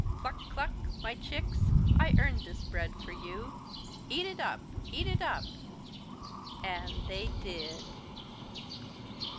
Cluck! Cluck! my chicks! I earned this bread for you! Eat it up! Eat it up!" And they did.